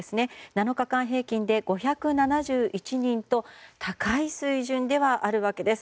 ７日間平均で５７１人と高い水準ではあるわけです。